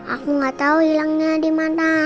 aku gak tau hilangnya dimana